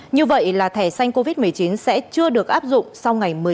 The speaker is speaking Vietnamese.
như vậy là thẻ xanh covid một mươi chín sẽ chưa được áp dụng sau ngày một mươi năm tháng chín tới đây